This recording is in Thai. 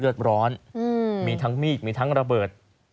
ร้อนมีทั้งมีดมีทั้งระเบิด